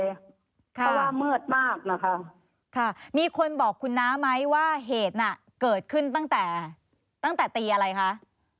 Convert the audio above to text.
เพราะว่ามืดมากนะคะค่ะมีคนบอกคุณน้าไหมว่าเหตุน่ะเกิดขึ้นตั้งแต่ตั้งแต่ตีอะไรคะ